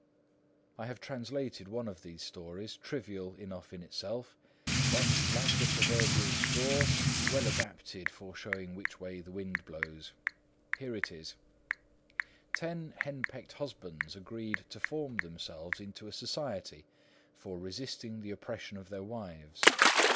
I have translated one of these stories, trivial enough in itself, but, like the proverbial straw, well adapted for showing which way the wind blows. Here it is:— Ten henpecked husbands agreed to form themselves into a society for resisting the oppression of their wives.